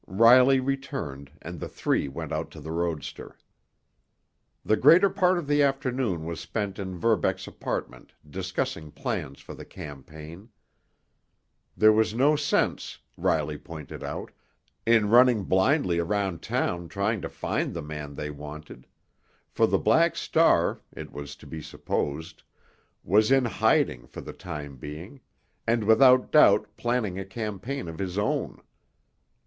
Riley returned, and the three went out to the roadster. The greater part of the afternoon was spent in Verbeck's apartment discussing plans for the campaign. There was no sense, Riley pointed out, in running blindly around town trying to find the man they wanted; for the Black Star, it was to be supposed, was in hiding for the time being, and without doubt planning a campaign of his own.